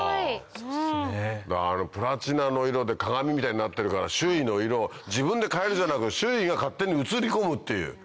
あのプラチナの色で鏡みたいになってるから周囲の色を自分で変えるじゃなく周囲が勝手に映り込むっていう。